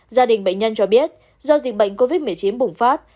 gia đình bệnh nhân cho biết do dịch bệnh covid một mươi chín bùng phát